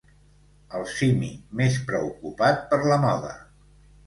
El simi més preocupat per la moda.